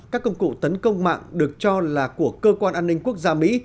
các công cụ tấn công mạng được cho là của cơ quan an ninh quốc gia mỹ